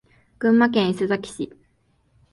群馬県伊勢崎市